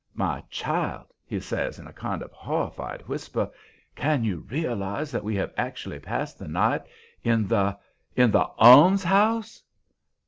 "My child," he says in a kind of horrified whisper, "can you realize that we have actually passed the night in the in the ALMSHOUSE?"